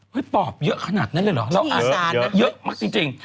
เฮ้ยปอบเยอะขนาดนั้นเลยเหรอเยอะเยอะเยอะมากจริงจริง